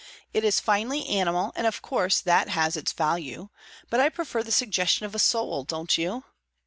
It is finely animal, and of course that has its value; but I prefer the suggestion of a soul, don't you?